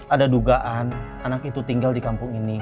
ada dugaan anak itu tinggal di kampung ini